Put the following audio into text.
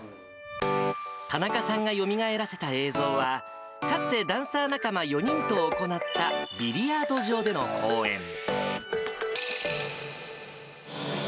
田中さんがよみがえらせた映像は、かつてダンサー仲間４人と行った、ビリヤード場での公演。